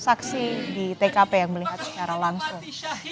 saksi di tkp yang melihat secara langsung